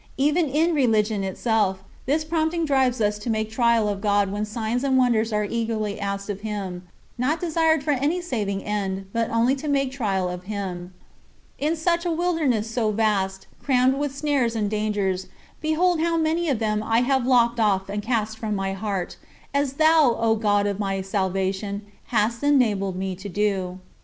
Even in religion itself, this prompting drives us to make trial of God when signs and wonders are eagerly asked of him not desired for any saving end, but only to make trial of him. 56. In such a wilderness so vast, crammed with snares and dangers, behold how many of them I have lopped off and cast from my heart, as thou, O God of my salvation, hast enabled me to do.